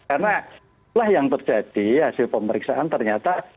karena setelah yang terjadi hasil pemeriksaan ternyata